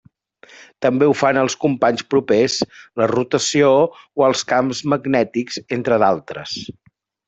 També ho fan els companys propers, la rotació o els camps magnètics, entre d'altres.